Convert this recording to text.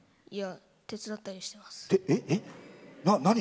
手伝ったりしてます。